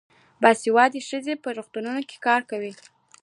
باسواده ښځې په روغتونونو کې کار کوي.